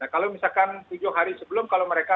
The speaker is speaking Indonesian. kalau misalkan tujuh hari sebelum kalau mereka